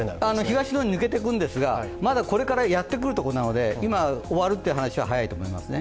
東の方に抜けていくんですが、これからやってくるところなので今、終わるという話は早いと思いますね。